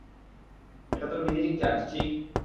এটা তোর visiting charge, ঠিক?